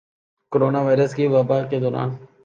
corona virus کی وبا کے دوران